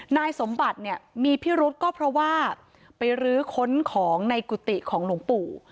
นายสมบัติเนี่ยมีพิรุษก็เพราะว่าไปรื้อค้นของในกุฏิของหลวงปู่